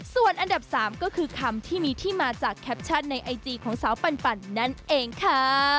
ส่วนอันดับ๓ก็คือคำที่มีที่มาจากแคปชั่นในไอจีของสาวปันนั่นเองค่ะ